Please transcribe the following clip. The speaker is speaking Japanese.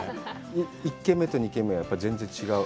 １軒目と２軒目は全然違う？